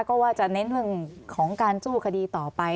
ก็ว่าจะเน้นเรื่องของการสู้คดีต่อไป